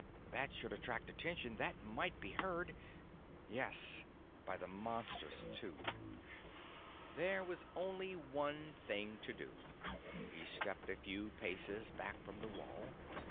That should attract attention, that might be heard. Yes, by the Monster too. There was only one thing to do. He stepped a few paces back from the wall.